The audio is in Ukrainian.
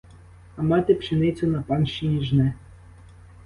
А мати пшеницю на панщині жне.